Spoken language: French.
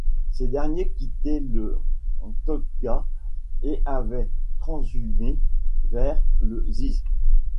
Ces derniers quittaient le Todgha et allaient transhumer vers le Ziz.